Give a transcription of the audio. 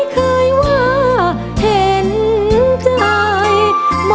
ขอบคุณครับ